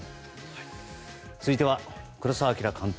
続いては黒澤明監督